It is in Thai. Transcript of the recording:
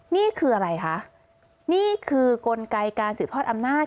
นี่คืออะไรคะนี่คือกลไกการสืบทอดอำนาจ